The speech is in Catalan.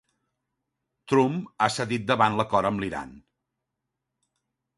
Trump ha cedit davant l'acord amb l'Iran.